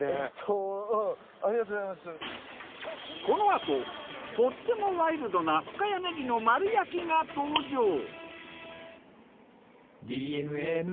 このあととってもワイルドな深谷ねぎの丸焼きが登場。